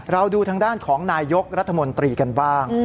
ดูทางด้านของนายยกรัฐมนตรีกันบ้าง